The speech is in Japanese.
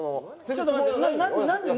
ちょっと待って。